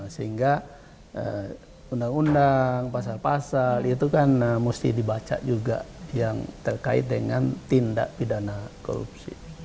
sehingga undang undang pasal pasal itu kan mesti dibaca juga yang terkait dengan tindak pidana korupsi